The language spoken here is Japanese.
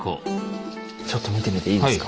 ちょっと見てみていいですか？